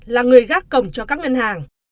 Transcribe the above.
là người gác cổng cho các ngân hàng